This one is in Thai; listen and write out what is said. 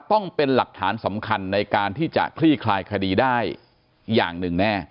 ต้องเป็นหลักฐานสำคัญในการที่จะคลี่คลายคดีได้อย่างหนึ่งแน่